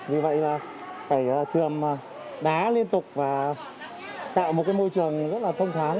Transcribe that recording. vì vậy là phải trường đá liên tục và tạo một cái môi trường rất là thông thoáng